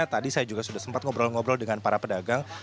tadi saya juga sudah sempat ngobrol ngobrol dengan para pedagang